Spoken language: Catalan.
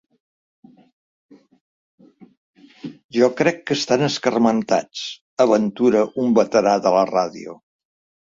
Jo crec que estan escarmentats —aventura un veterà de la ràdio.